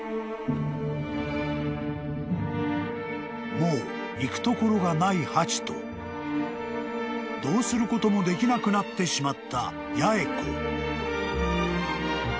［もう行く所がないハチとどうすることもできなくなってしまった八重子］